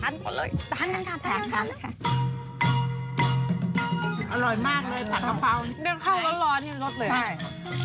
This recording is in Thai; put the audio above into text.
อร่อยมากสาขาเพราเนื้อข้าวร้อนรสเหลือง